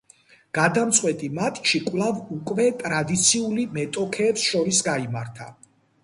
გადამწყვეტი მატჩი კვლავ უკვე ტრადიციული მეტოქეებს შორის გაიმართა.